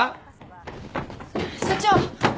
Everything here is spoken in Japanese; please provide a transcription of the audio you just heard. ・・社長！